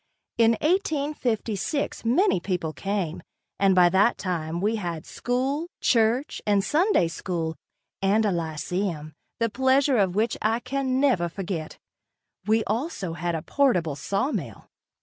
In 1856 many people came, and by that time we had school, church and Sunday school and a lyceum, the pleasures of which I can never forget. We also had a portable sawmill.